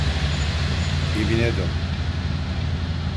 Evine dön.